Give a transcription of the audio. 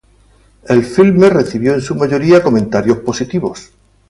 El filme recibió en su mayoría comentarios positivos.